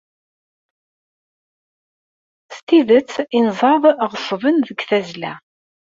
S tidet, inzaḍ ɣeṣṣben deg tazzla.